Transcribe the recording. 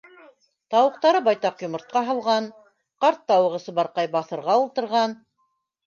Тауыҡтары байтаҡ йомортҡа һалған, ҡарт тауығы Сыбарҡай баҫырға ултырған.